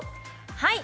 はい